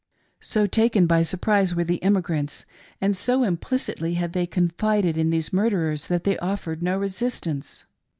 Sq taken by sur prise were the emigrants, and so implicitly had they confided in these murderers that they offered no resistance.